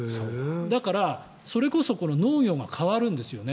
だから、それこそ農業が変わるんですよね。